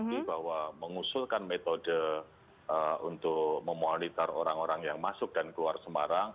bukti bahwa mengusulkan metode untuk memonitor orang orang yang masuk dan keluar semarang